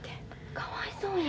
かわいそうや。